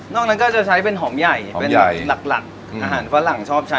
นอกนั้นก็จะใช้เป็นหอมใหญ่หอมใหญ่เป็นหลักหลักอืมอาหารฟรั่งชอบใช้